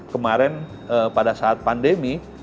kemarin pada saat pandemi